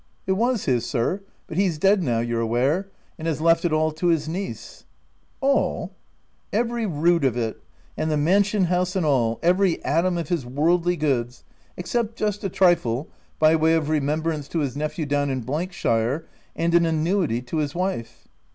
"It was his, sir, but he's dead now, you're aware, and has left it all to his niece." "AH!" u Every rood of it, — and the mansion house and all, — every hatom of his worldly goods !— ex cept just a trifle, by way of remembrance to his nephew down in shire and an annuity to his wife."